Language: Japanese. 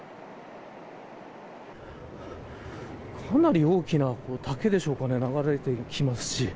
かなり大きな竹でしょうか流れてきています。